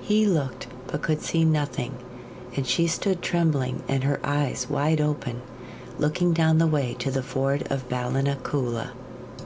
He looked, but could see nothing; and she stood trembling and her eyes wide open, looking down the way to the ford of Ballinacoola.